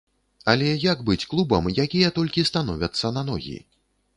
Але як быць клубам, якія толькі становяцца на ногі?